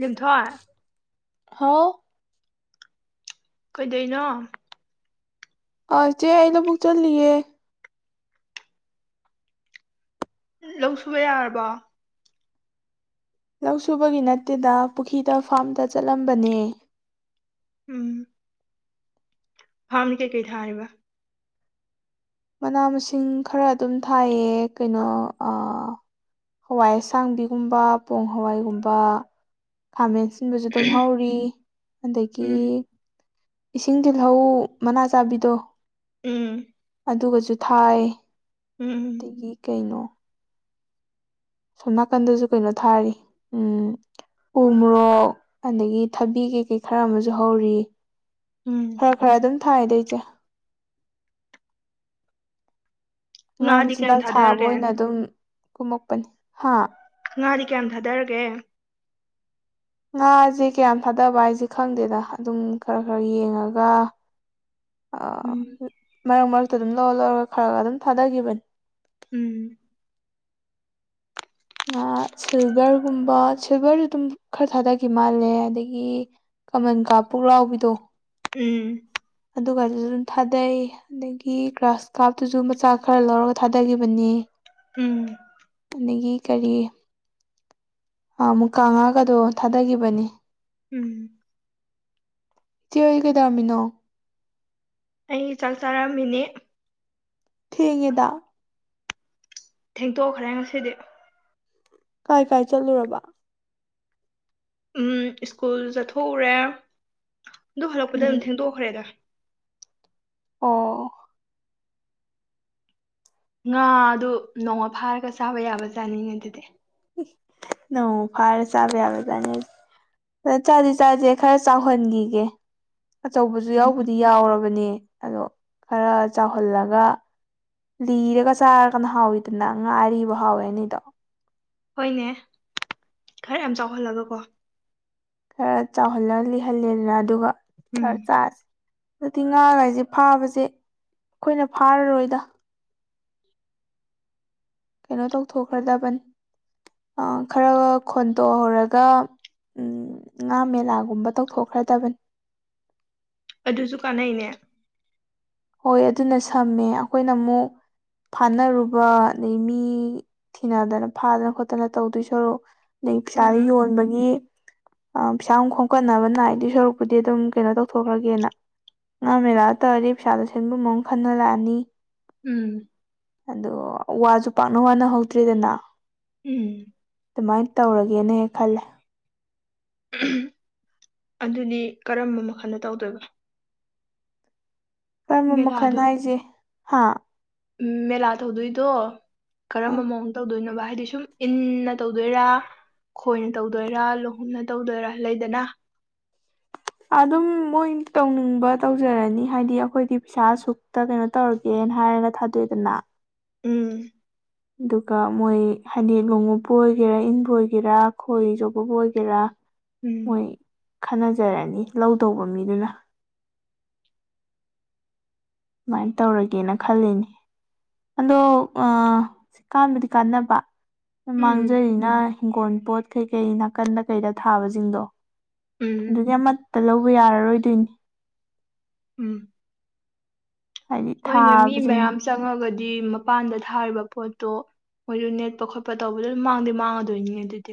ꯂꯤꯟꯊꯣꯏ ꯍꯥꯎ ꯀꯩꯗꯧꯏꯅꯣ ꯑꯥ ꯆꯦ ꯑꯩ ꯂꯕꯨꯛ ꯆꯠꯂꯤꯌꯦ ꯂꯧ ꯁꯨꯕ ꯌꯥꯔꯕꯣ ꯂꯧ ꯁꯨꯕꯒꯤ ꯅꯠꯇꯦꯗ ꯄꯨꯈꯤꯗ ꯐꯥꯝꯗ ꯆꯠꯂꯝꯕꯅꯦ ꯎꯝ ꯐꯥꯝꯗꯤ ꯀꯩꯀꯩ ꯊꯥꯔꯤꯕ ꯃꯅꯥ ꯃꯁꯤꯡ ꯈꯔ ꯑꯗꯨꯝ ꯊꯥꯏꯌꯦ ꯀꯩꯅꯣ ꯑꯥ ꯍꯋꯥꯏ ꯑꯁꯥꯡꯕꯤꯒꯨꯝꯕ ꯄꯣꯡ ꯍꯋꯥꯏꯒꯨꯝꯕ ꯈꯥꯃꯦꯟ ꯑꯁꯤꯟꯕꯖꯨ ꯑꯗꯨꯝ ꯍꯧꯔꯤ ꯑꯗꯒꯤ ꯎꯝ ꯏꯁꯤꯡ ꯇꯤꯜꯍꯧ ꯃꯅꯥ ꯆꯥꯕꯤꯗꯣ ꯎꯝ ꯑꯗꯨꯒꯖꯨ ꯊꯥꯏ ꯎꯝ ꯎꯝ ꯔꯤ ꯀꯩꯅꯣ ꯁꯣꯝ ꯅꯥꯀꯟꯗꯁꯨ ꯀꯩꯅꯣ ꯊꯥꯔꯤ ꯎꯝ ꯎ ꯃꯣꯔꯣꯛ ꯑꯗꯒꯤ ꯊꯕꯤ ꯀꯩ ꯀꯩ ꯈꯔꯥ ꯑꯃꯁꯨ ꯍꯧꯔꯤ ꯎꯝ ꯈ꯭ꯔꯥ ꯈ꯭ꯔꯥ ꯑꯗꯨꯝ ꯊꯥꯏꯗ ꯏꯆꯦ ꯉꯥ ꯉꯥꯗꯤ ꯀꯌꯥꯝ ꯃꯆꯤꯟꯖꯥꯛ ꯊꯥꯕ ꯊꯥꯗꯔꯒꯦ ꯑꯣꯏꯅ ꯑꯗꯨꯝ ꯀꯨꯝꯃꯛꯄꯅꯤ ꯍꯥ ꯉꯥꯗꯤ ꯀꯌꯥꯝ ꯊꯥꯗꯔꯒꯦ ꯉꯥꯁꯦ ꯀꯌꯥꯝ ꯊꯥꯗꯕ ꯍꯥꯏꯁꯦ ꯈꯪꯗꯦꯗ ꯑꯗꯨꯝ ꯈ꯭ꯔꯥ ꯈ꯭ꯔꯥ ꯌꯦꯡꯉꯒꯥ ꯑꯥ ꯎꯝ ꯃꯔꯛ ꯃꯔꯛꯇ ꯑꯗꯨꯝ ꯂꯧꯔ ꯂꯧꯔꯒ ꯈ꯭ꯔꯥꯒꯥ ꯑꯗꯨꯝ ꯊꯥꯗꯒꯤꯕꯥꯅꯤ ꯎꯝ ꯉꯥ ꯁꯤꯜꯚꯔꯒꯨꯝꯕ ꯁꯤꯜꯚꯔ ꯑꯗꯨꯝ ꯈ꯭ꯔꯥ ꯊꯥꯗꯒꯤꯕꯥ ꯃꯥꯜꯂꯦ ꯑꯗꯒꯤ ꯀꯃꯟ ꯀꯞ ꯄꯨꯛꯂꯥꯎꯕꯤꯗꯣ ꯎꯝ ꯑꯗꯨꯒ ꯗꯨꯁꯨ ꯑꯗꯨꯝ ꯊꯥꯗꯩ ꯑꯗꯒꯤ ꯒ꯭ꯔꯥꯁ ꯀꯥꯞꯇꯨꯁꯨ ꯃꯆꯥ ꯈ꯭ꯔꯥ ꯂꯧꯔꯒ ꯊꯥꯗꯒꯤꯕꯅꯤ ꯎꯝ ꯑꯗꯒꯤ ꯀꯔꯤ ꯃꯨꯀꯥ ꯉꯥꯒꯗꯣ ꯊꯥꯗꯒꯤꯕꯅꯤ ꯎꯝ ꯆꯦ ꯍꯣꯢ ꯀꯩꯗꯧꯔꯝꯃꯤꯅꯣ ꯑꯩ ꯆꯥꯛ ꯆꯥꯔꯝꯃꯤꯅꯤ ꯊꯦꯡꯉꯦꯗ ꯊꯦꯡꯇꯣꯛꯈ꯭ꯔꯦ ꯉꯁꯤꯗꯤ ꯀꯥꯏ ꯀꯥꯏ ꯆꯠꯂꯨꯔꯕ ꯎꯝ ꯁ꯭ꯀꯨꯜ ꯆꯠꯊꯣꯛꯎꯔꯦ ꯑꯗꯨ ꯍꯜꯂꯛꯄꯗ ꯑꯗꯨꯝ ꯎꯝ ꯊꯦꯡꯗꯣꯛꯈ꯭ꯔꯦꯗ ꯑꯣ ꯉꯥ ꯗꯨ ꯅꯣꯡꯃ ꯐꯥꯔꯒ ꯆꯥꯕ ꯌꯥꯕ ꯖꯥꯠꯅꯤꯅꯦ ꯑꯗꯨꯗꯤ [unintelligible] ꯅꯣꯡꯃ ꯐꯔꯒ ꯆꯥꯕꯥ ꯌꯥꯕꯥ ꯖꯠꯅꯤ ꯆꯥꯖꯦ ꯆꯥꯖꯦ ꯈ꯭ꯔꯥ ꯆꯥꯎꯍꯟꯒꯤꯒꯦ ꯑꯆꯧꯕꯖꯨ ꯎꯝ ꯌꯥꯎꯕꯨꯗꯤ ꯌꯥꯎꯔꯕꯅꯦ ꯑꯗꯣ ꯈꯔꯥ ꯆꯥꯎꯍꯜꯂꯒ ꯂꯤꯔꯒ ꯆꯥꯔꯒꯅ ꯍꯥꯎꯏꯗꯅ ꯉꯥ ꯑꯔꯤꯕ ꯍꯥꯎꯋꯦ ꯍꯥꯏꯅꯩꯗꯣ ꯍꯣꯏꯅꯦ ꯈꯔꯥ ꯌꯥꯝ ꯆꯥꯎꯍꯜꯂꯒꯀꯣ ꯈꯔꯥ ꯆꯥꯎꯍꯜꯂ ꯂꯤꯍꯜꯂꯦꯗꯅ ꯑꯗꯨꯒ [unintelligible] ꯎꯝ ꯆꯥꯁꯤ ꯍꯟꯗꯛꯇꯤ ꯉꯥꯒꯥꯏꯁꯦ ꯐꯕꯁꯦ ꯑꯩꯈꯣꯏꯅ ꯐꯔꯔꯣꯏꯗ ꯀꯩꯅꯣ ꯇꯧꯊꯣꯛꯈꯔꯗꯕꯅꯤ ꯑꯥ ꯈꯔꯒꯥ ꯈꯣꯟꯇꯣꯛꯍꯧꯔꯒ ꯎꯝ ꯉꯥ ꯃꯦꯂꯥꯒꯨꯝꯕ ꯇꯧꯊꯣꯛꯈ꯭ꯔꯗꯕꯅꯤ ꯑꯗꯨꯁꯨ ꯀꯥꯟꯅꯩꯅꯦ ꯍꯣꯏ ꯑꯗꯨꯅ ꯁꯝꯃꯦ ꯑꯩꯈꯣꯏꯅ ꯃꯨꯛ ꯐꯅꯔꯨꯕ ꯑꯗꯩ ꯃꯤ ꯊꯤꯅꯗꯅ ꯐꯗꯅ ꯈꯣꯠꯇꯅ ꯇꯧꯗꯣꯏ ꯁꯔꯨꯛ [unintelligible] ꯁꯥꯗ ꯎꯝ ꯌꯣꯟꯕꯅꯤ ꯌꯦ ꯑꯥ ꯄꯩꯁꯥ ꯑꯃꯨꯛ ꯈꯣꯝꯀꯠꯅꯕ ꯅꯥꯏꯗꯨꯏ ꯁꯔꯨꯛꯄꯨꯗꯤ ꯑꯗꯨꯝ ꯀꯩꯅꯣ ꯇꯧꯊꯣꯛꯈ꯭ꯔꯒꯦꯅ ꯉꯥ ꯃꯦꯂꯥꯗ ꯇꯧꯔꯗꯤ ꯄꯩꯁꯥꯗꯣ ꯁꯦꯟꯕꯨꯟ ꯑꯃ ꯐꯥꯅꯔꯛꯑꯅꯤ ꯎꯝ ꯑꯗꯣ ꯋꯥꯁꯨ ꯄꯥꯛꯅ ꯋꯥꯅꯍꯧꯗ꯭ꯔꯦꯗꯅ ꯎꯝ ꯗꯨꯃꯥꯏ ꯇꯧꯔꯒꯦꯅ ꯍꯦꯛ ꯈꯜꯂꯦ [unintelligible] ꯑꯗꯨꯗꯤ ꯀꯔꯝꯕ ꯃꯈꯜꯗ ꯇꯧꯗꯣꯏꯕ ꯀꯔꯝꯕ ꯃꯈꯜ ꯃꯦꯂꯥꯗꯣ ꯍꯥꯏꯖꯦ ꯍꯥ ꯎꯝ ꯃꯦꯂꯥ ꯇꯧꯗꯣꯏꯗꯣ ꯀꯔꯝꯕ ꯃꯑꯣꯡ ꯇꯧꯗꯣꯏꯅꯣꯕ ꯍꯥꯏꯗꯤ ꯁꯨꯝ ꯏꯟꯅ ꯇꯧꯗꯣꯏꯔꯥ ꯈꯣꯏꯅ ꯇꯧꯗꯣꯏꯔꯥ ꯂꯣꯡꯍꯨꯝꯅ ꯇꯧꯗꯣꯏꯔꯥ ꯂꯩꯗꯅ ꯑꯗꯨꯝ ꯃꯣꯏ ꯇꯧꯅꯤꯡꯕ ꯇꯧꯖꯔꯅꯤ ꯍꯥꯏꯗꯤ ꯑꯩꯈꯣꯏꯗꯤ ꯄꯩꯁꯥ ꯑꯁꯨꯛꯇ ꯀꯩꯅꯣ ꯇꯧꯔꯒꯦꯅ ꯍꯥꯏꯔꯒ ꯊꯥꯗꯣꯛꯑꯦꯗꯅ ꯎꯝ ꯑꯗꯨꯒ ꯃꯣꯏ ꯍꯥꯏꯗꯤ ꯂꯣꯡꯎꯞꯄꯨ ꯑꯣꯏꯒꯦꯔꯥ ꯏꯟꯕꯨ ꯑꯣꯏꯒꯦꯔꯥ ꯈꯣꯏ ꯆꯣꯞꯄꯕꯨ ꯑꯣꯏꯒꯦꯔꯥ ꯎꯝ ꯃꯣꯏ ꯈꯟꯅꯖꯔꯅꯤ ꯂꯧꯗꯧꯕ ꯃꯤꯗꯨꯅ ꯗꯨꯃꯥꯏ ꯇꯧꯔꯒꯦꯅ ꯈꯜꯂꯤꯅꯤ ꯑꯗꯣ ꯑꯥ ꯁꯤ ꯀꯥꯟꯕꯨꯗꯤ ꯀꯥꯟꯅꯕ ꯎꯝ ꯃꯥꯡꯖꯩꯅ ꯏꯤꯡꯒꯣꯜ ꯄꯣꯠ ꯀꯩ ꯀꯩ ꯅꯥꯀꯟꯗ ꯀꯩꯗ ꯊꯥꯕꯁꯤꯡꯗꯣ ꯎꯝ ꯑꯗꯨꯗꯤ ꯑꯃꯠꯇ ꯂꯧꯕ ꯌꯥꯔꯔꯣꯏꯗꯣꯏꯅꯤ ꯎꯝ ꯍꯥꯏꯗꯤ ꯍꯣꯏꯅꯦ ꯃꯤ ꯊꯥꯕꯁꯤꯡ ꯃꯌꯥꯝ ꯆꯪꯉꯒꯗꯤ ꯃꯄꯥꯟꯗ ꯊꯥꯔꯤꯕ ꯄꯣꯠꯇꯣ ꯃꯣꯏꯗꯨ ꯅꯦꯠꯄ ꯈꯣꯠꯄ ꯇꯧꯕꯗ ꯑꯗꯨꯝ ꯃꯥꯡꯗꯤ ꯃꯥꯡꯉꯗꯣꯏꯅꯤꯅꯦ ꯑꯗꯨꯗꯤ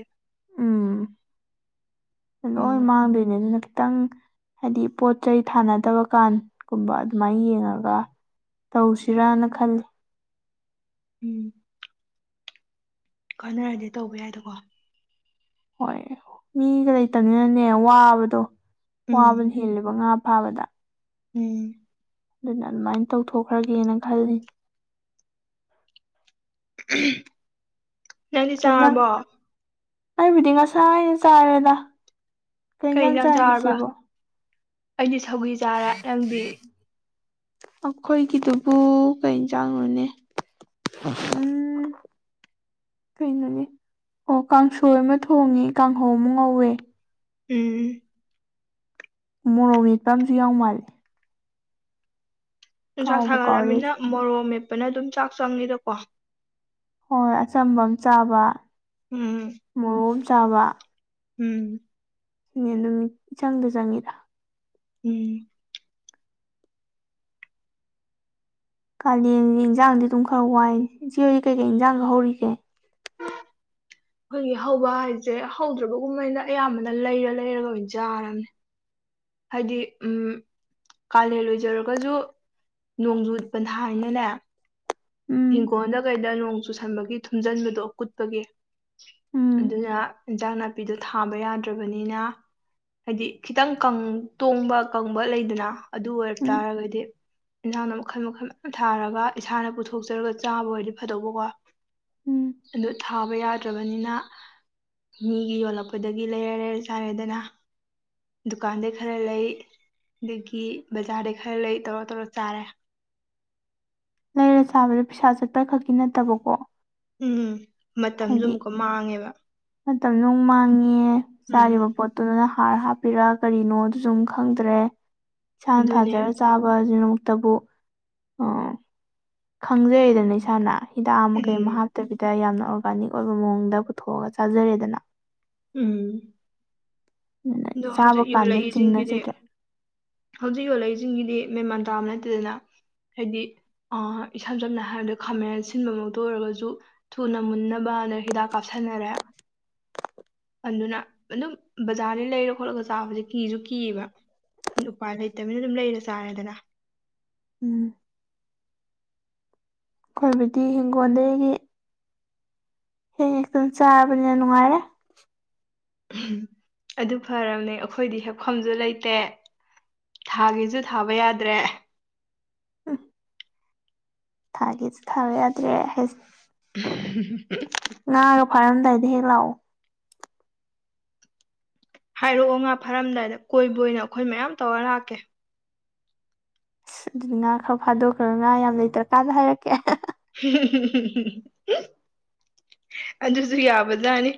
ꯎꯝ ꯂꯣꯏ ꯎꯝ ꯃꯥꯡꯗꯣꯏꯅꯦ ꯑꯗꯨꯅ ꯈꯤꯇꯪ ꯍꯥꯏꯗꯤ ꯄꯣꯠ ꯆꯩꯩ ꯊꯥꯅꯗꯕ ꯀꯥꯟꯒꯨꯝꯕ ꯑꯗꯨꯃꯥꯏꯅ ꯌꯦꯡꯉꯒ ꯇꯧꯁꯤꯔꯅ ꯈꯜꯂꯤ ꯎꯝ ꯀꯥꯟꯅꯔꯗꯤ ꯇꯧꯕ ꯌꯥꯏꯗꯀꯣ ꯍꯣꯏ ꯃꯤꯒ ꯂꯩꯇꯕꯅꯤꯅꯅꯦ ꯋꯥꯕꯗꯣ ꯎꯝ ꯋꯥꯕꯅ ꯍꯦꯜꯂꯦꯕ ꯉꯥ ꯐꯥꯕꯗ ꯎꯝ ꯑꯗꯨꯅ ꯑꯗꯨꯃꯥꯏꯅ ꯇꯧꯊꯣꯛꯈ꯭ꯔꯒꯦꯅ ꯈꯜꯂꯤ ꯅꯪꯗꯤ ꯀꯩ ꯏꯟꯖꯥꯡ ꯆꯥꯔꯕꯣ ꯑꯩꯕꯨꯗꯤ ꯉꯁꯥꯏꯅ ꯆꯥꯔꯦꯗ ꯀꯩ ꯏꯟꯖꯥꯡ ꯑꯦꯟꯖꯥꯡ ꯆꯥꯏ ꯆꯥꯔꯕ ꯉꯁꯤꯕꯣ ꯑꯩꯗꯤ ꯁꯧꯒꯤ ꯆꯥꯔꯦ ꯅꯪꯗꯤ ꯑꯩꯈꯣꯏꯒꯤꯗꯨꯕꯨ ꯀꯩ ꯑꯦꯟꯖꯤꯡꯅꯣꯅꯦ ꯎꯝ ꯀꯩꯅꯣꯅꯦ ꯑꯣ ꯀꯥꯡꯁꯣꯏ ꯑꯃ ꯊꯣꯡꯉꯦ ꯀꯥꯡꯍꯧ ꯑꯃ ꯉꯧꯋꯦ ꯎꯝ ꯃꯣꯔꯣꯛ ꯃꯦꯠꯄ ꯑꯃꯁꯨ ꯌꯥꯎ ꯃꯥꯜꯂꯦ ꯅꯨꯡꯁꯥ ꯀꯥꯎꯕꯨ ꯀꯥꯎꯔꯦ ꯁꯥꯒꯠꯂꯛꯑꯕꯅꯤꯅ ꯃꯣꯔꯣꯛ ꯃꯦꯠꯄꯅ ꯑꯗꯨꯝ ꯆꯥꯛ ꯆꯪꯉꯤꯗ ꯀꯣ ꯍꯣꯏ ꯑꯆꯝꯕ ꯑꯃ ꯆꯥꯕ ꯎꯝ ꯃꯣꯔꫭꯛ ꯑꯃꯥ ꯆꯥꯕ ꯎꯝ ꯅꯦꯗꯨꯝ ꯏꯆꯪꯗ ꯆꯪꯉꯤꯗ ꯎꯝ ꯀꯥꯂꯦꯟ ꯏꯟꯖꯥꯡꯗꯤ ꯑꯗꯨꯝ ꯈꯔ ꯋꯥꯏ ꯏꯆꯦꯍꫭꯏꯗꯤ ꯀꯩꯀꯩ ꯏꯟꯖꯥꯡꯅꫭ ꯍꯧꯔꯤꯒꯦ ꯑꯩꯈꯣꯏꯒꯤ ꯍꯧꯕ ꯍꯥꯏꯁꯦ ꯍꯧꯗ꯭ꯔꯕꯒꯨꯝꯕꯅꯤꯗ ꯑꯌꯥꯝꯕꯅ ꯂꯩꯔ ꯂꯩꯔꯒ ꯑꯣꯏꯅ ꯆꯥꯔꯝꯅꯤ ꯍꯥꯏꯗꯤ ꯎꯝ ꯀꯥꯂꯦꯟ ꯑꫭꯏꯖꯔꯒꯖꯨ ꯅꯣꯡꯖꯨ ꯄꯟꯊꯥꯅꯤꯅꯦ ꯎꯝ ꯍꯤꯡꯒꯣꯟꯗ ꯀꯩꯗ ꯅꯣꯡ ꯆꯨꯁꯟꯕꯒꯤ ꯊꯨꯝꯖꯟꯕꯗꯨꯣ ꯀꯨꯠꯄꯒꯤ ꯎꯝ ꯑꯗꯨꯅ ꯏꯟꯖꯥꯡ ꯅꯥꯄꯤꯗꯣ ꯊꯥꯕ ꯌꯥꯗ꯭ꯔꯕꯅꯤꯅ ꯍꯥꯏꯗꯤ ꯈꯤꯇꯪ ꯀꯪ ꯇꯣꯡꯕ ꯀꯪꯕ ꯂꯩꯗꯅ ꯑꯗꯨ ꯎꯝ ꯑꯣꯏꯔꯛꯇꯥꯥꯔꯒꯗꯤ ꯏꯟꯖꯥꯡꯗꯣ ꯃꯈꯜ ꯃꯈꯜ ꯃꯌꯥꯝ ꯊꯥꯔꯒ ꯏꯁꯥꯅ ꯄꯨꯊꯣꯛꯆꯔꯒ ꯆꯥꯕ ꯑꯣꯏꯗꯤ ꯐꯗꯧꯕꯀꯣ ꯎꯝ ꯑꯗꯨ ꯊꯥꯕ ꯌꯥꯗ꯭ꯔꯥꯕꯅꯤꯅ ꯃꯤꯒꯤ ꯌꯣꯜꯂꯛꯄꯗꯒꯤ ꯂꯩꯔ ꯂꯩꯔ ꯆꯥꯔꯦꯗꯅ ꯗꯨꯀꯥꯟꯗꯩ ꯈꯔ ꯂꯩ ꯑꯗꯒꯤ ꯕꯖꯥꯔꯗꯩ ꯈꯔ ꯂꯩ ꯇꯧꯔ ꯇꯧꯔ ꯆꯥꯔꯦ ꯂꯩꯔ ꯆꯥꯕꯗꯣ ꯄꯩꯁꯥ ꯆꯠꯄ ꯈꯛꯀꯤ ꯅꯠꯇꯕꯀꯣ ꯎꯝ ꯃꯇꯝꯖꯨ ꯑꯃꯨꯛꯀꯥ ꯃꯥꯡꯉꯦꯕ ꯃꯇꯝꯖꯨ ꯑꯃꯨꯛ ꯃꯥꯡꯉꯦ ꯎꯝ ꯆꯥꯔꯤꯕ ꯄꯣꯠ ꯇꯨꯅ ꯍꯥꯔ ꯍꯥꯞꯄꯤꯔ ꯀꯔꯤꯅꯣ ꯑꯗꯨꯖꯨ ꯃꯨꯛ ꯈꯪꯗꯔꯦ ꯏꯁꯥꯅ ꯑꯗꯨꯅꯦ ꯊꯥꯖꯔ ꯆꯥꯕꯖꯤꯅ ꯃꯨꯛꯇꯕꯨ ꯈꯪꯖꯩꯗꯅ ꯏꯁꯥꯅ ꯍꯤꯗꯥꯛ ꯑꯃ ꯀꯩ ꯎꯝ ꯑꯃ ꯍꯥꯞ ꯇꯕꯤꯗ ꯌꯥꯝꯅ ꯑ꯭ꯣꯔꯒꯥꯅꯤꯛ ꯑꯣꯏꯕ ꯃꯑꯣꯡꯗ ꯄꯨꯊꯣꯛꯑꯒ ꯆꯥꯖꯔꯦꯗꯅ ꯎꯝ ꯑꯗꯨꯅ ꯑꯗꯣ ꯆꯥꯕ ꯍꯧꯖꯤꯛ ꯀꯥꯟꯗ ꯌꯣꯜꯂꯛꯏꯖꯤꯡꯖꯤꯗꯤ ꯆꯤꯡꯅꯖꯗ꯭ꯔꯦ ꯍꯧꯖꯤꯛ ꯌꯣꯜꯂꯛꯏꯖꯤꯡꯖꯤꯗꯤ ꯃꯦꯃꯥꯟ ꯇꯥꯕ ꯅꯠꯇꯦꯗꯅ ꯍꯥꯏꯗꯤ ꯑꯥ ꯏꯁꯝ ꯁꯝꯅ ꯍꯥꯏꯔꯕꯗ ꯈꯥꯃꯦꯟ ꯁꯤꯟꯕꯃꯛꯇꯥ ꯑꯣꯏꯔꯒꯖꯨ ꯊꯨꯅ ꯃꯨꯟꯅꯕꯅ ꯍꯤꯗꯥꯛ ꯀꯥꯞꯁꯟꯅꯔꯦ ꯑꯗꯨꯅ ꯑꯗꯨꯝ ꯕꯖꯥꯔ [unintelligible] ꯂꯩꯔ ꯈꯣꯠꯂꯒ ꯆꯥꯕꯖꯦ ꯀꯤꯖꯨ ꯀꯤꯌꯦꯕ ꯎꯄꯥꯏ ꯂꯩꯇꯕꯅꯤ ꯗꯨꯝ ꯂꯩꯔ ꯆꯥꯔꯦꯗꯅ ꯎꯝ ꯈꯣꯏꯕꯨꯗꯤ ꯍꯤꯡꯒꯣꯟꯗꯒꯤ ꯍꯦ ꯍꯦꯛꯇꯅ ꯆꯥꯔꯕꯅꯤꯅ ꯅꯨꯡꯉꯥꯏꯔꯦ ꯑꯗꯨ ꯐꯔꯝꯅꯦ ꯑꯈꯣꯏꯗꯤ ꯍꯦꯛꯐꯝꯖꯨ ꯂꯩꯇꯦ ꯊꯥꯒꯦꯖꯨ ꯊꯥꯕ ꯌꯥꯗ꯭ꯔꯦ [unintelligible] ꯊꯥꯒꯦꯖꯨ ꯊꯥꯕ ꯌꯥꯗ꯭ꯔꯦ ꯍꯦꯁ [inaudible] ꯉꯥꯒ ꯐꯥꯔꯝꯗꯥꯏꯗ ꯍꯦꯛ ꯂꯥꯛꯑꯣ ꯍꯥꯏꯔꯛꯑꯣ ꯉꯥ ꯐꯥꯔꯝꯗꯥꯏꯗ ꯀꯣꯏꯕ ꯑꯣꯏꯅ ꯑꯈꯣꯏ ꯃꯌꯥꯝ ꯇꯧꯔ ꯂꯥꯛꯀꯦ ꯑꯗꯨ ꯉꯥ ꯈꯔ ꯐꯥꯗꯣꯛꯈ꯭ꯔꯒ ꯉꯥ ꯌꯥꯝ ꯂꯩꯇ꯭ꯔꯀꯥꯟꯗ ꯍꯥꯏꯔꯛꯀꯦ ꯑꯗꯨꯖꯨ ꯌꯥꯕꯖꯥꯠꯅꯤ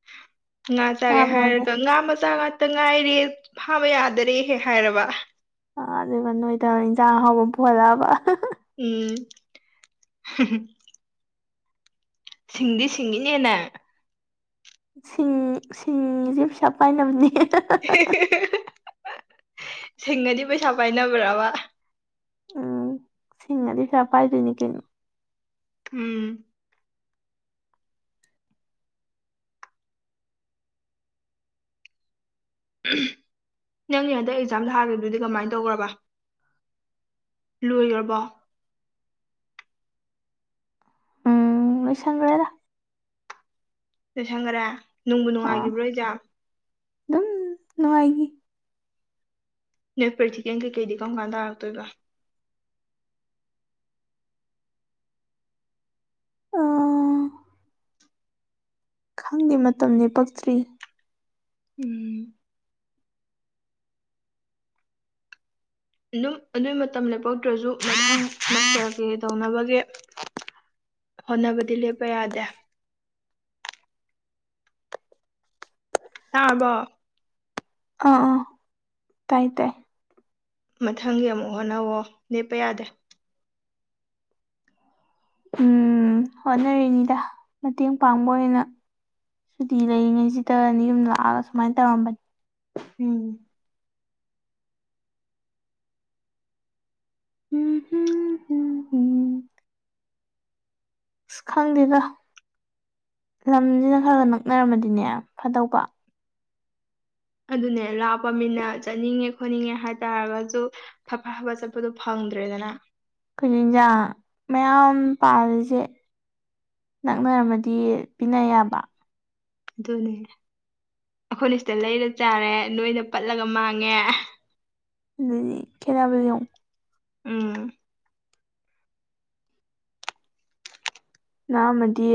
[inaudible] ꯉꯥ ꯆꯥꯒꯦ ꯃꯌꯥꯝ ꯂꯩ ꯍꯥꯏꯔꯒ ꯉꯥ ꯃꯆꯥ ꯉꯥꯛꯇ ꯉꯥꯏꯔꯦ ꯐꯥꯕ ꯌꯥꯗꯔꯦ ꯍꯦꯛ ꯍꯥꯏꯔꯕ ꯑꯥ ꯑꯗꯨꯒ ꯅꯣꯏꯗ ꯏꯟꯖꯥꯡ ꯑꯍꯥꯎꯕ ꯄꯨꯍꯜꯂꯛꯑꯕ ꯎꯝ ꯁꯤꯡꯗꯤ ꯁꯤꯡꯉꯤꯅꯦ ꯅꯪ ꯁꯤꯡ ꯁꯤꯡꯏꯖꯦ ꯄꯩꯁꯥ ꯄꯥꯏꯅꯝꯅꯦ ꯁꯤꯡꯉꯗꯤ ꯄꯩꯁꯥ ꯄꯥꯏꯅꯕ꯭ꯔꯥꯕ ꯎꯝ ꯁꯤꯡꯉꯗꯤ ꯄꯩꯁꯥ ꯄꯥꯏꯗꯣꯏꯅꯤ ꯀꯩꯅꯣ ꯎꯝ ꯅꯪꯒꯤ ꯍꯟꯗꯛ ꯑꯦꯛꯖꯥꯝ ꯊꯥꯒ꯭ꯔꯤꯗꯨꯗꯤ ꯀꯃꯥꯏ ꯇꯧꯒ꯭ꯔꯥꯕ ꯂꯣꯏꯒ꯭ꯔꯥꯕꯣ ꯎꯝ ꯂꯣꯏꯁꯟꯒ꯭ꯔꯦꯗ ꯂꯣꯏꯁꯤꯟꯒꯥꯔꯦ ꯅꯨꯡꯕꯨ ꯑꯥ ꯅꯨꯡꯉꯥꯏꯒꯤꯕ꯭ꯔꯣ ꯑꯦꯛꯖꯥꯝ ꯑꯗꯨꯝ ꯅꯨꯡꯉꯥꯏꯒꯤ ꯅꯣꯏ ꯄ꯭ꯔꯦꯛꯇꯤꯀꯦꯜ ꯀꯩꯀꯩꯗꯤ ꯀꯔꯝ ꯀꯥꯟ ꯇꯥꯔꯛꯇꯣꯏꯕ ꯑꯥ ꯈꯪꯗꯦ ꯃꯇꯝ ꯂꯦꯄꯛꯇ꯭ꯔꯤ ꯎꯝ ꯑꯗꯨꯝ ꯑꯗꯨꯏ ꯃꯇꯝ ꯂꯦꯞꯄꯛꯇ꯭ꯔꯁꯨ ꯃꯊꯪ ꯃꯥꯁꯇꯔꯒꯤ ꯇꯧꯅꯕꯒꯤ ꯍꯣꯠꯅꯕꯗꯤ ꯂꯦꯞꯄ ꯌꯥꯗꯦ ꯇꯥꯔꯕꯣ ꯑꯥ ꯑꯥ ꯇꯥꯏ ꯇꯥꯏ ꯃꯊꯪꯒꯤ ꯑꯃꯨꯛ ꯍꯣꯠꯅꯧꯋꯣ ꯂꯦꯞꯄ ꯌꯥꯗꯦ ꯎꯝ ꯍꯣꯠꯅꯔꯤꯅꯤꯗ ꯃꯇꯦꯡ ꯄꯥꯡꯕ ꯑꯣꯏꯅ ꯁꯨꯇꯤ ꯂꯩꯔꯤꯉꯩꯁꯤꯗ ꯌꯨꯝ ꯂꯥꯛꯑꯒ ꯁꯨꯃꯥꯏꯅ ꯇꯧꯔꯝꯕꯅꯤ ꯎꯝ [unintelligible] ꯑꯁ ꯈꯪꯗꯦꯗ ꯂꯝꯁꯤꯅ ꯈꯔꯒ ꯅꯛꯅꯔꯝꯃꯗꯤꯅꯦ ꯐꯗꯧꯕ ꯑꯗꯨꯅꯦ ꯂꯥꯞꯄ ꯃꯤꯅ ꯆꯠꯅꯤꯡꯉꯦ ꯈꯣꯠꯅꯤꯡꯉꯦ ꯍꯥꯏꯇꯥꯔꯒꯁꯨ ꯐꯠꯐꯥ ꯆꯠꯄꯗꯣ ꯐꯪꯗ꯭ꯔꯦꯗꯅ ꯈꯣꯏꯖꯨ ꯏꯟꯖꯥꯡ ꯃꯌꯥꯝ ꯄꯥꯜꯂꯤꯁꯦ ꯅꯛꯅꯔꯝꯃꯗꯤ ꯄꯤꯅ ꯌꯥꯕ ꯑꯗꯨꯅꯦ ꯑꯩꯈꯣꯏꯅ ꯁꯤꯗ ꯂꯩꯔ ꯆꯥꯔꯦ ꯅꯣꯏꯅ ꯄꯠꯂꯒ ꯃꯥꯡꯉꯦ ꯑꯗꯨꯅꯤ ꯈꯦꯠꯅꯕꯁꯤ ꯌꯦꯡꯉꯨ ꯎꯝ ꯅꯛꯑꯝꯃꯥꯗꯤ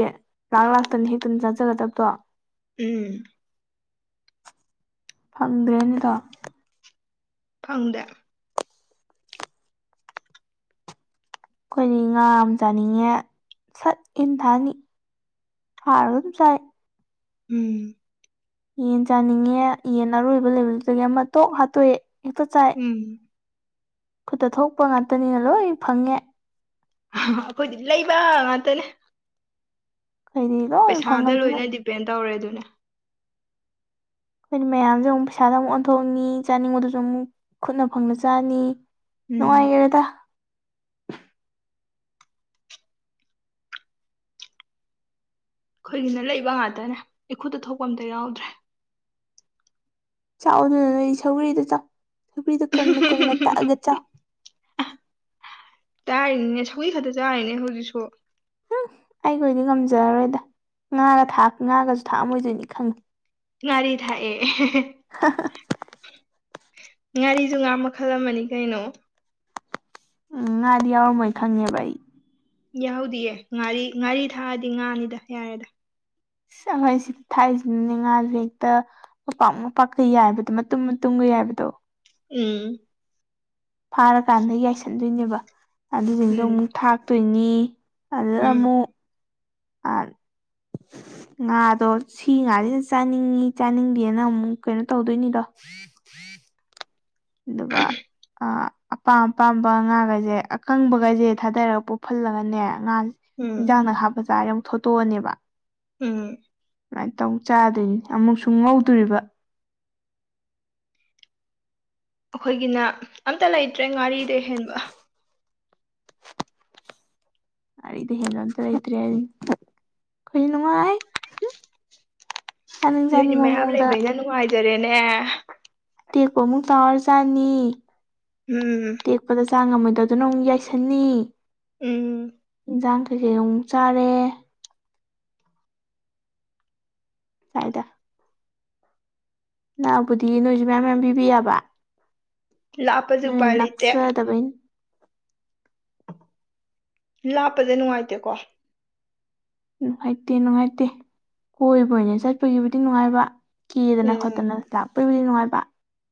ꯂꯥꯛ ꯂꯥꯛꯇꯅ ꯍꯦꯛꯇꯅ ꯆꯖꯥꯒꯗꯕꯗꯣ ꯎꯝ ꯐꯪꯗ꯭ꯔꯦꯅꯦꯗꯣ ꯐꯪꯗꯦ ꯑꯩꯈꯣꯏꯗꯤ ꯉꯥ ꯑꯃ ꯆꯥꯅꯤꯡꯉꯦ ꯁꯠ ꯏꯟꯊꯥꯅꯤ ꯐꯥꯎꯔꯒ ꯑꯗꯨꯝ ꯆꯥꯏ ꯎꯝ ꯌꯦꯟ ꯆꯥꯅꯤꯡꯉꯦ ꯌꯦꯟ ꯑꯔꯣꯏꯕ ꯂꯦꯕꯗꯨꯗꯒꯤ ꯑꯃ ꯇꯣꯛ ꯍꯥꯠꯇꯣꯛꯑꯦ ꯍꯦꯛꯇ ꯆꯥꯏ ꯎꯝ ꯈꯨꯠꯇ ꯊꯣꯛꯄ ꯉꯥꯛꯇꯅꯤꯅ ꯂꯣꯏ ꯐꯪꯉꯦ ꯑꯩꯈꯣꯏꯗꯤ ꯂꯩꯕ ꯉꯥꯛꯇꯅꯦ ꯑꯩꯗꯤ ꯂꯣꯏ ꯄꯩꯁꯥꯗ ꯐꯪꯉꯕꯅꯤꯅ ꯂꯣꯏꯅ ꯗꯤꯄꯦꯟ ꯇꯧꯔꯦ ꯑꯗꯨꯅꯦ ꯑꯩꯈꯣꯏꯗꯤ ꯃꯌꯥꯝꯁꯦ ꯑꯃꯨꯛ ꯄꯩꯁꯥꯗ ꯑꯃꯨꯛ ꯑꯣꯟꯊꯣꯛꯑꯅꯤ ꯆꯥꯅꯤꯡꯕꯗꯨꯁꯨ ꯑꯃꯨꯛ ꯈꯨꯠꯅ ꯐꯪꯅ ꯆꯥꯅꯤ ꯎꯝ ꯅꯨꯡꯉꯥꯏꯒꯔꯦꯗ ꯑꯩꯈꯣꯏꯒꯤꯅ ꯂꯩꯕ ꯉꯥꯛꯇꯅꯦ ꯏꯈꯨꯠꯇ ꯊꯣꯛꯄ ꯑꯝꯇ ꯌꯥꯎꯗ꯭ꯔꯦ ꯆꯥꯎ ꯑꯗꯨꯅ ꯅꯣꯏ ꯁꯒ꯭ꯔꯤꯗꯣ ꯆꯥꯎ ꯁꯒ꯭ꯔꯤꯗꯣ ꯀꯪꯅ ꯀꯪꯅ ꯇꯛꯑꯒ ꯆꯥꯎ ꯆꯥꯔꯤꯅꯤꯅꯦ ꯁꯧꯒ꯭ꯔꯤ ꯈꯛꯇ ꯆꯥꯔꯤꯅꯦ ꯍꯧꯖꯤꯛꯁꯨ ꯍꯨꯝ ꯑꯩꯒꯑꯣꯏꯗꯤ ꯉꯝꯖꯔꯔꯣꯏꯗ ꯉꯥꯒ ꯊꯥꯛ ꯉꯥꯒꯁꯨ ꯊꯥꯛꯑꯝꯃꯣꯏꯗꯣꯏꯅꯤ ꯈꯪꯉꯤ ꯉꯥꯔꯤ ꯊꯥꯛꯑꯦ ꯉꯥꯔꯤꯁꯨ ꯉꯥ ꯃꯈꯜ ꯑꯃꯅꯤ ꯀꯩꯅꯣ ꯎꯝ ꯉꯥꯗꯤ ꯌꯥꯎꯔꯝꯃꯣꯏ ꯈꯪꯉꯦꯕ ꯑꯩ ꯌꯥꯎꯗꯤꯌꯦ ꯉꯥꯔꯤ ꯉꯥꯔꯤ ꯊꯥꯛꯑꯗꯤ ꯉꯥꯅꯤꯗ ꯌꯥꯔꯦꯗ ꯑꯁ ꯑꯈꯣꯏ ꯁꯤ ꯊꯥꯏꯁꯤꯅꯅꯦ ꯉꯥꯥꯁꯦ ꯍꯦꯛꯇ ꯃꯄꯥꯛ ꯃꯄꯥꯛꯀ ꯌꯥꯏꯕꯗꯣ ꯃꯇꯨꯝ ꯃꯇꯨꯡꯒ ꯌꯥꯏꯕꯗꯣ ꯎꯝ ꯐꯥꯔꯀꯥꯟꯗ ꯌꯥꯏꯁꯟꯗꯣꯏꯅꯦꯕ ꯑꯗꯨꯁꯤꯡꯗꯣ ꯎꯝ ꯑꯃꯨꯛ ꯊꯥꯛꯇꯣꯏꯅꯤ꯫ ꯑꯗꯨꯗ ꯎꯝ ꯑꯃꯨꯛ ꯑ [inaudible] ꯉꯥꯗꯣ ꯁꯤ ꯉꯥꯁꯤꯁꯨ ꯆꯥꯅꯤꯡꯉꯤ ꯆꯥꯅꯤꯡꯗꯦꯅ ꯑꯃꯨꯛ ꯀꯩꯅꯣ ꯇꯧꯗꯣꯏꯅꯤꯗꯣ꯫ ꯑꯗꯨꯒ ꯑ ꯑꯄꯥꯝ ꯑꯄꯥꯝꯕ ꯉꯥꯒꯩꯁꯦ ꯑꯀꯪꯕꯒꯩꯁꯦ ꯊꯥꯗꯔꯒ ꯄꯨꯞꯍꯜꯂꯒꯅꯦ ꯉꯥ ꯎꯝ ꯏꯟꯖꯥꯡꯅ ꯍꯥꯞ ꯖꯥꯔ ꯌꯥꯝ ꯊꯣꯠꯇꯣꯛꯑꯅꯤꯕ꯫ ꯎꯝ꯫ ꯁꯨꯃꯥꯏꯅ ꯇꯧ ꯆꯥꯗꯣꯏꯅꯤ ꯑꯃꯨꯛꯁꯨ ꯉꯧꯗꯣꯔꯤꯕ꯫ ꯑꯩꯈꯣꯏꯒꯤꯅ ꯑꯝꯇ ꯂꯩꯇ꯭ꯔꯦ ꯉꯥꯔꯤꯗꯩ ꯍꯦꯟꯕ꯫ ꯑꯩꯗꯤ ꯍꯦꯜꯂ ꯑꯝꯇ ꯂꯩꯇ꯭ꯔꯦ ꯑꯩ ꯈꫭꯏꯗꯤ ꯅꯨꯡꯉꯥꯏ꯫ ꯆꯅꯤꯡ ꯅꯣꯏꯗꯤ ꯆꯅꯤꯡꯕ ꯃꯌꯥꯝ ꯃꯑꫭꯡꯗ ꯂꯩꯕꯅꯤꯅ ꯅꯨꯡꯉꯥꯏꯖꯔꯦꯅꯦ꯫ ꯇꯦꯛꯄ ꯃꯨꯛ ꯇꯥꯎꯔ ꯆꯥꯅꯤ꯫ ꯎꯝ꯫ ꯇꯦꯛꯄꯗ ꯆꯥꯡ ꯉꯝꯃꯣꯏꯗꯗꯨꯅ ꯑꯃꯨꯛ ꯌꯥꯏꯁꯟꯅꯤ꯫ ꯎꯝ꯫ ꯏꯟꯁꯥꯡ ꯀꯩꯀꯩꯒ ꯃꯨꯛ ꯆꯥꯔꯦ꯫ [unintelligible] ꯅꯛꯑꯕꯨꯗꯤ ꯅꯣꯏꯁꯨ ꯃꯌꯥꯝ ꯃꯌꯥꯝ ꯄꯤꯕꯤ ꯌꯥꯕ꯫ ꯂꯥꯞꯄꯁꯨ ꯅꯣꯏ ꯎꯄꯥꯏ ꯂꯩꯇꯦ꯫ ꯅꯛꯆꯗꯕꯩ ꯂꯥꯞꯄꯁꯦ ꯅꯨꯡꯉꯥꯏꯇꯦꯀꯣ꯫ ꯅꯨꯡꯉꯥꯏꯇꯦ ꯅꯨꯡꯉꯥꯏꯇꯦ ꯀꯣꯏꯕ ꯑꯣꯏꯅ ꯆꯠꯄꯒꯤꯕꯨꯗꯤ ꯅꯨꯡꯉꯥꯏꯕ꯫ ꯀꯦꯗꯅ ꯎꯝ ꯈꯣꯠꯇꯅ ꯂꯥꯛꯄꯕꯨꯗꯤ ꯅꯨꯡꯉꯥꯏꯕ꯫